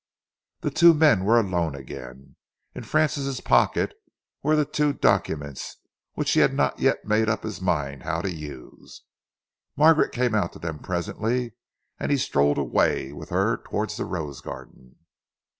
The two men were alone again. In Francis' pocket were the two documents, which he had not yet made up his mind how to use. Margaret came out to them presently, and he strolled away with her towards the rose garden.